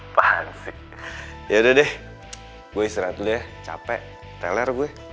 apaan sih yaudah deh gue istirahat dulu ya capek teler gue